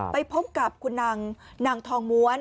ไปพบกับคุณนางทองม้วน